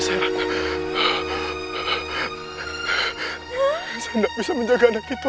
saya tidak bisa menjaga anak kita